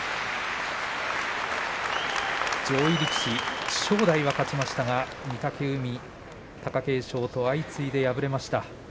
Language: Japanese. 上位力士、正代は勝ちましたが御嶽海、貴景勝相次いで敗れました。